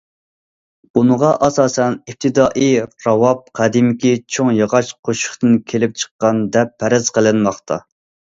بۇنىڭغا ئاساسەن ئىپتىدائىي راۋاب قەدىمكى چوڭ ياغاچ قوشۇقتىن كېلىپ چىققان، دەپ پەرەز قىلىنماقتا.